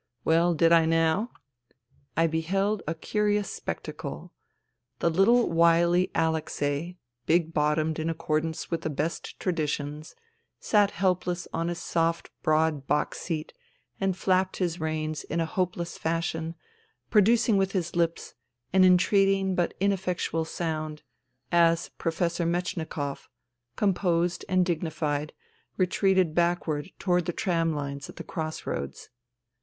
Well, did I now ? I beheld a curious spectacle. The little wily Alexei, big bottomed in accordance with the best traditions, sat helpless on his soft broad box seat and flapped his reins in a hopeless fashion, producing with his lips an entreating but ineffectual sound, as Professor Metchnikoff, composed and dignified, retreated backward toward the tramlines at the cross roads.